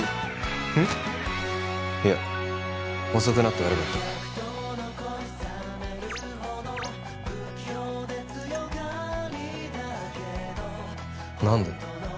うん？いや遅くなって悪かった何だよ